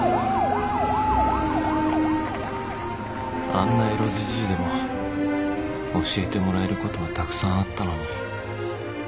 あんなエロじじいでも教えてもらえることはたくさんあったのに